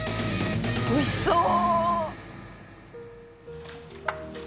おいしそう！